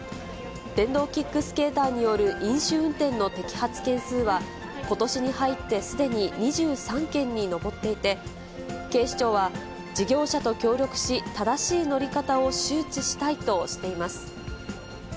電動キックスケーターによる飲酒運転の摘発件数は、ことしに入ってすでに２３件に上っていて、警視庁は、事業者と協力し、正しい乗り方を周知したいとしています。